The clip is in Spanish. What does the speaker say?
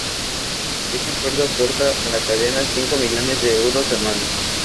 Este acuerdo aporta a la cadena cinco millones de euros anuales.